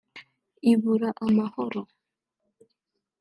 ibura amahoro